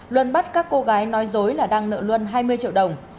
luân bắt các cô gái nói dối là đang nợ luân hai mươi triệu đồng